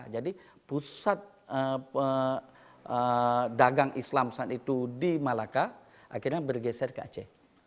jadi pusat dagang islam saat itu di malacca akhirnya bergeser ke aceh